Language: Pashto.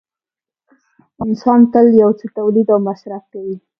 انسان تل یو څه تولید او مصرف کوي